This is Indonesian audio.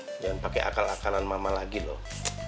jangan pakai akal akanan mama lagi loh